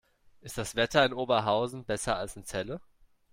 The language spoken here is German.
Ist das Wetter in Oberhausen besser als in Celle?